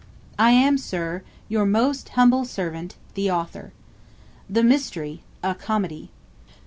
I am, Sir, your most humble Servant, THE AUTHOR. THE MYSTERY, A COMEDY.